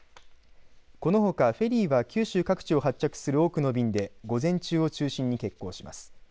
このほか、フェリーは九州各地を発着する多くの便で午前中を中心に欠航します。